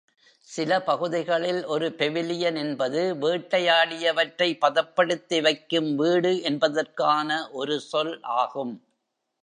சில பகுதிகளில், ஒரு பெவிலியன் என்பது வேட்டையாடியவற்றை பதப்படுத்தி வைக்கும் வீடு என்பதற்கான ஒரு சொல் ஆகும்.